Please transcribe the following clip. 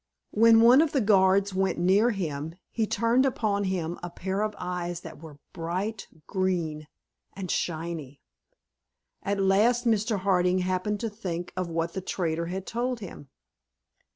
When one of the guards went near him he turned upon him a pair of eyes that were bright green and shiny. At last Mr. Harding happened to think what the trader had told him.